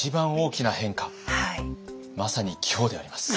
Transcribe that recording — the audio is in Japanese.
まさに今日であります。